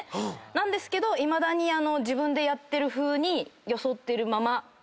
なんですけどいまだに自分でやってるふうに装ってるまま伝えずに。